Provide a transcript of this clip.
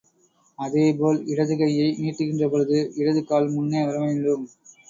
அதேபோல் இடது கையை நீட்டுகின்றபொழுது, இடது கால் முன்னே வர வேண்டும்.